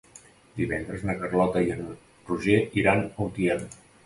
Divendres na Carlota i en Roger iran a Utiel.